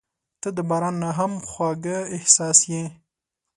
• ته د باران نه هم خوږه احساس یې.